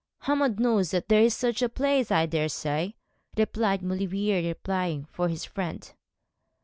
'Hammond knows that there is such a place, I daresay,' replied Maulevrier, replying for his friend.